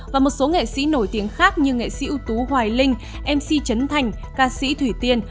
và một số nghệ sĩ nổi tiếng khác như nghệ sĩ ưu tú hoài linh mc chấn thành ca sĩ thủy tiên